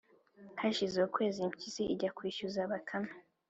Hashize ukwezi impyisi ijya kwishyuza Bakame